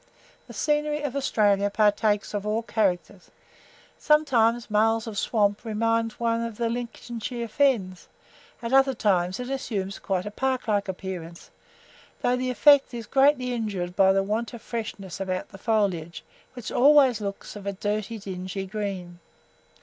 The scenery of Australia partakes of all characters. Sometimes miles of swamp reminds one of the Lincolnshire fens; at other times it assumes quite a park like appearance, though the effect is greatly injured by the want of freshness about the foliage, which always looks of a dirty, dingy green.